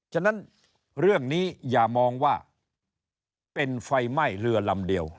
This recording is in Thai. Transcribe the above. ฉะนั้นเรื่องนี้อย่ามองว่าเป็นไฟไหม้เรือลำเดียว